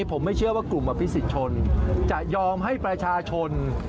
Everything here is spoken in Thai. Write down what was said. ผมไม่เชื่อว่ากลุ่มอภิษฎชนจะยอมให้ประชาชน